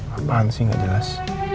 apaan sih gak jelas